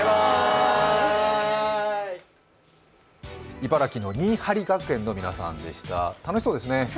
茨城の新治学園の皆さんでした、楽しそうですね。